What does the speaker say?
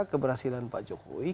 keberhasilan pak jokowi